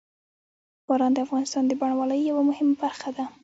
باران د افغانستان د بڼوالۍ یوه مهمه برخه ده.